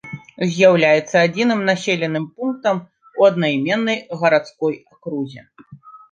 З'яўляецца адзіным населеным пунктам у аднайменнай гарадской акрузе.